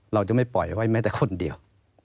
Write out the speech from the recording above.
เราจะไม่ปล่อยไว้แม้แต่คนเดียว